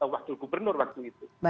wakil gubernur waktu itu